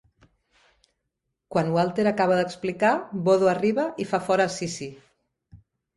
Quan Walter acaba d'explicar, Bodo arriba i fa fora a Sissi.